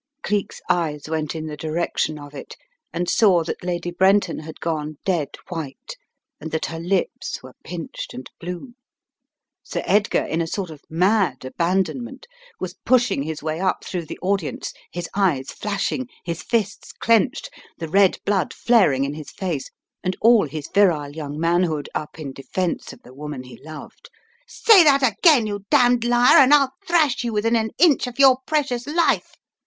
Cleek's eyes went in the direction of it, and saw that Lady Brenton had gone dead white, and that her lips were pinched and blue. Sir Edgar, in a sort of mad abandonment, was push ing his way up through the audience, his eyes flashing, his fists clenched, the red blood flaring in his face, and all his virile young manhood up in defence of the woman he loved. "Say that again, you damned liar, and I'll thrash you within an inch of your precious life